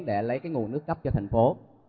để lấy cái nguồn nước cấp cho thành phố